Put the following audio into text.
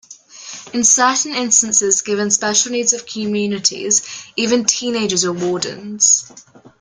In certain instances, given special needs of communities, even teenagers were wardens.